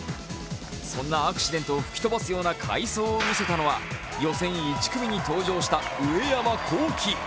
そんなアクシデントを吹き飛ばすような快走を見せたのは予選１組に登場した上山紘輝。